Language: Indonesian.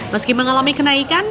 meski mengalami kenaikan